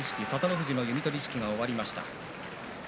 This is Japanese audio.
富士の弓取式が終わりました。